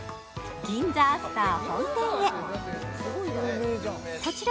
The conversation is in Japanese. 銀座アスター本店へ